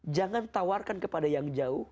jangan tawarkan kepada yang jauh